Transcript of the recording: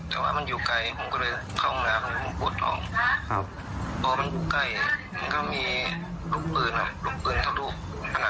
หลายลูกครับห้องน้ำคุ้นเนี่ย